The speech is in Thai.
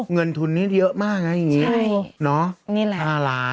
เงินทุนนี่เยอะมากนะอย่างนี้เนอะ๕ล้านนี่แหละ